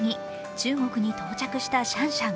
中国に到着したシャンシャン。